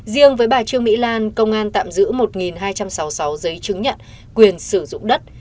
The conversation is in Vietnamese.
riêng với bà trương mỹ lan công an tạm giữ một hai trăm sáu mươi sáu giấy chứng nhận quyền sử dụng đất